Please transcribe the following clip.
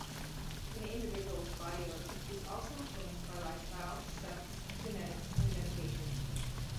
An individual's body odor is also influenced by lifestyle, sex, genetics, and medication.